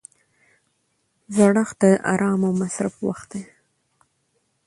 زړښت د ارام او مصرف وخت دی.